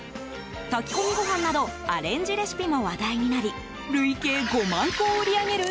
炊き込みご飯などアレンジレシピも話題になり累計５万個を売り上げる